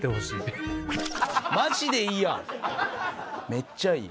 めっちゃいい。